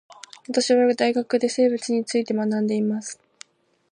私は大学で生物について学んでいます